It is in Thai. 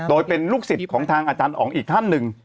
โดยเป็นลูกศิษย์ของทางอาจารย์อ๋องอีกท่านหนึ่ง